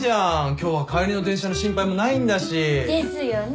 今日は帰りの電車の心配もないんだし。ですよね。